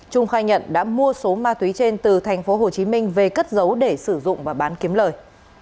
trung khai nhận đã mua số ma túy trên từ tp hồ chí minh về cất giấu để sử dụng và bán kiếm lời